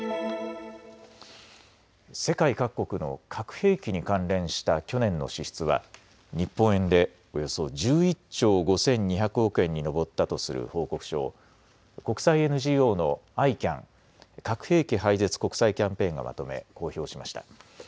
世界各国の核兵器に関連した去年の支出は日本円でおよそ１１兆５２００億円に上ったとする報告書を国際ＮＧＯのＩＣＡＮ・核兵器廃絶国際キャンペーンがまとめ、公表しました。